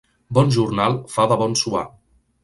Bon jornal fa de bon suar.